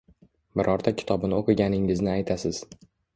Birorta kitobini oʻqiganingizni aytasiz